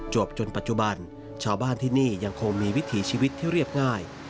จนปัจจุบันชาวบ้านที่นี่ยังคงมีวิถีชีวิตที่เรียบง่าย